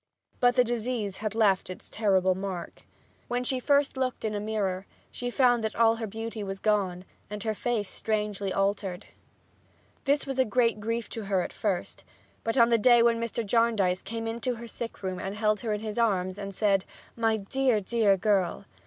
But the disease had left its terrible mark. When she first looked in a mirror she found that her beauty was gone and her face strangely altered. This was a great grief to her at first, but on the day when Mr. Jarndyce came into her sick room and held her in his arms and said, "My dear, dear girl!"